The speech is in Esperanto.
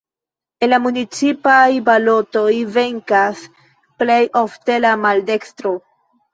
En la municipaj balotoj venkas plej ofte la maldekstro.